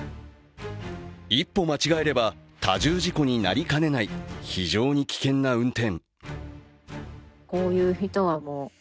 一歩間違えれば多重事故になりかねない非常に危険な運転。